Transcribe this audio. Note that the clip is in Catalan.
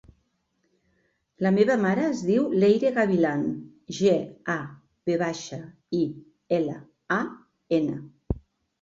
La meva mare es diu Leire Gavilan: ge, a, ve baixa, i, ela, a, ena.